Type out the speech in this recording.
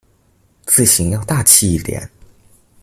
字型要大器一點